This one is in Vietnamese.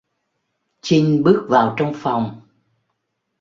Chinh bước vào trong phòng